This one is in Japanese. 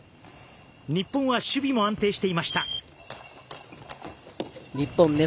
日本は守備も安定していました。